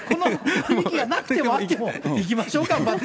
なくてもあっても、行きましょう、頑張って。